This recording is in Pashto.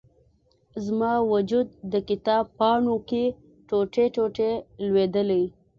زما و جود، د کتاب پاڼو کې، ټوټي، ټوټي لویدلي